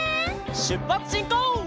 しゅっぱつしんこう！